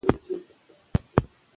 لوبه د څېړنیز ټیم له لوري جوړه شوې.